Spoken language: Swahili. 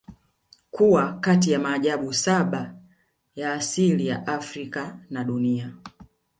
Kuwa kati ya maajabu saba ya asili ya Afrika na dunia